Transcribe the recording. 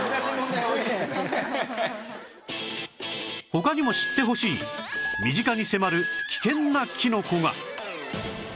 他にも知ってほしい身近に迫る危険なキノコが